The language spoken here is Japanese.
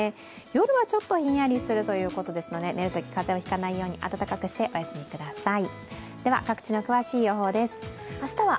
夜はちょっとひんやりするということなので寝るときは風邪をひかず、温かくしてお休みください。